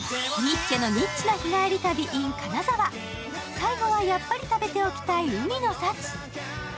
最後はやっぱり食べておきたい海の幸。